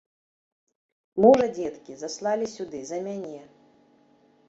Мужа, дзеткі, заслалі сюды за мяне.